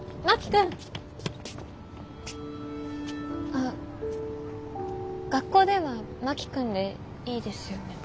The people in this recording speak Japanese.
あ学校では真木君でいいですよね？